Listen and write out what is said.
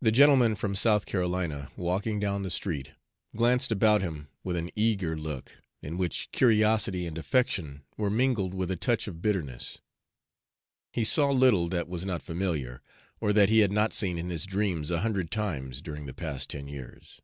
The gentleman from South Carolina, walking down the street, glanced about him with an eager look, in which curiosity and affection were mingled with a touch of bitterness. He saw little that was not familiar, or that he had not seen in his dreams a hundred times during the past ten years.